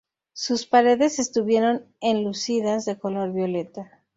Sus paredes estuvieron enlucidas de color violeta.